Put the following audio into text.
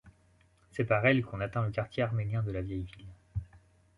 C'est par elle qu'on atteint le quartier arménien de la vieille ville.